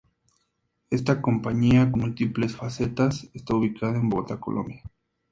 Esta compañía con múltiples facetas está ubicada en Bogotá, Colombia.